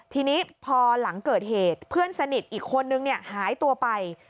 ทีนี้พอหลังเกิดเหตุเพื่อนสนิทอีกคนนึงหายตัวไป